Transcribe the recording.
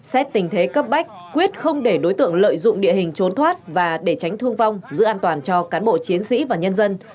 xét tình thế cấp bách quyết không để đối tượng lợi dụng địa hình trốn thoát và để tránh thương vong giữ an toàn cho cán bộ chiến sĩ và nhân dân